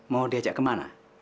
mau diajak ke mana